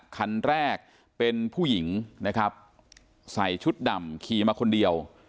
คันแรกเป็นผู้หญิงนะครับใส่ชุดดำขี่มาคนเดียว